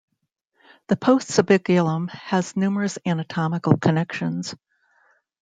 The postsubiculum has numerous anatomical connections.